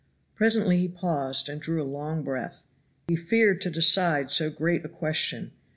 Presently he paused and drew a long breath. He feared to decide so great a question.